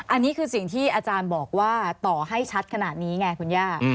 อันนี้คือสิ่งที่อาจารย์บอกว่าต่อให้ชัดขนาดนี้ไงคุณย่า